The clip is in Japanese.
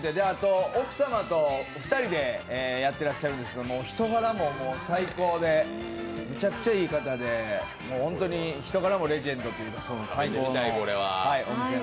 あと奥様とお二人でやってらっしゃるんですけど人柄も最高で、めちゃくちゃいい方でもう本当に人柄もレジェンド、最高です。